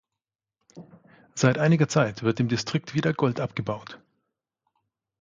Seit einiger Zeit wird im Distrikt wieder Gold abgebaut.